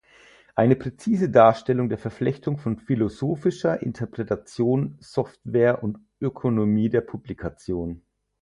Eine präzise Darstellung der Verflechtung von philosophischer Interpretation, Software und Ökonomie der Publikation.